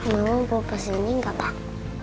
memang bau pasirnya ingat pak